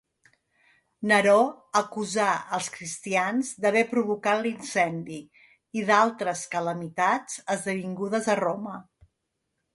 Neró acusà els cristians d'haver provocat l'incendi i d'altres calamitats esdevingudes a Roma.